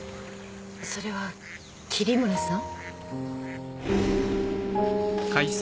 それは桐村さん？